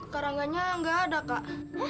karangganya gak ada kak